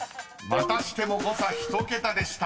［またしても誤差１桁でした］